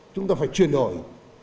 chúng ta phải chuyển đổi